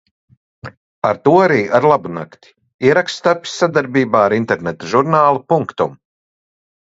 Ar to arī – arlabunakti! Ieraksts tapis sadarbībā ar interneta žurnālu Punctum